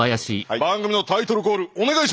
番組のタイトルコールお願いします！